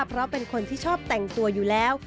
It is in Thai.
เพราะเป็นคนที่ชอบแต่งตัวอยู่แล้ว